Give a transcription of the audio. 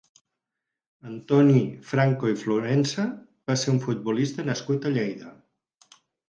Antoni Franco i Florensa va ser un futbolista nascut a Lleida.